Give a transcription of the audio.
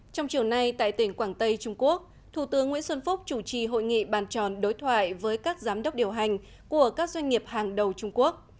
trong chiều nay tại tỉnh quảng tây trung quốc thủ tướng nguyễn xuân phúc chủ trì hội nghị bàn tròn đối thoại với các giám đốc điều hành của các doanh nghiệp hàng đầu trung quốc